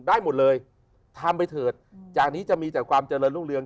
ได้หมดเลยทำไปเถิดจากนี้จะมีแต่ความเจริญรุ่งเรือง